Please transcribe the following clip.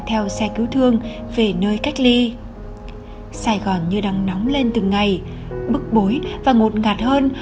theo xe cứu thương về nơi cách ly sài gòn như đang nóng lên từng ngày bức bối và ngột ngạt hơn